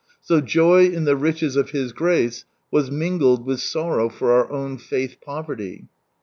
So joy in the riches of His grace was mingled with sorrow for our own faith poverty.